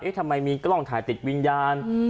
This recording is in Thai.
ทำไมมีกล้องถ่ายติดวิญญาณ